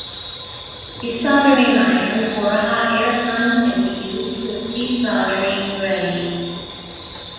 A soldering iron or hot air gun can be used with desoldering braid.